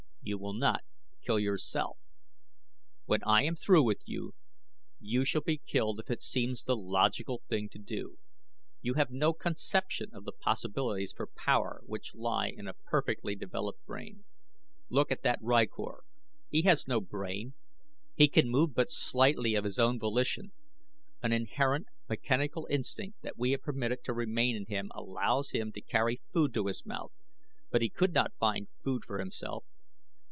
You will not kill yourself. When I am through with you you shall be killed if it seems the logical thing to do. You have no conception of the possibilities for power which lie in a perfectly developed brain. Look at that rykor. He has no brain. He can move but slightly of his own volition. An inherent mechanical instinct that we have permitted to remain in him allows him to carry food to his mouth; but he could not find food for himself.